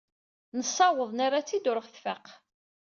Nessaweḍ nerra-tt-id ur ɣ-tfaq.